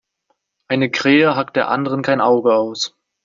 Eine Krähe hackt der anderen kein Auge aus.